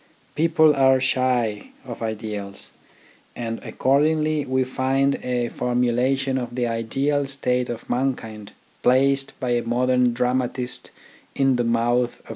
People are shy of ideals; and accordingly we find a formulation of the ideal state of mankind placed by a modern dramatist 1 in the mouth of a 1 Cf.